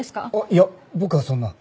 いや僕はそんな。